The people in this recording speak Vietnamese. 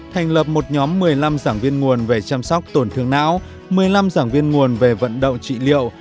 thành lập một nhóm một mươi năm giảng viên nguồn về chăm sóc tổn thương não một mươi năm giảng viên nguồn về vận động trị liệu